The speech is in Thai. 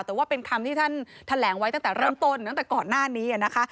แต่ว่าเป็นคำที่ท่านแถลงไว้ตั้งแต่เริ่มต้นตั้งแต่ก่อนหน้านี้นะคะ